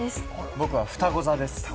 僕はふたご座です。